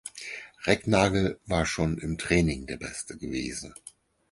Recknagel war schon im Training der Beste gewesen.